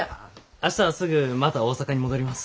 明日はすぐまた大阪に戻ります。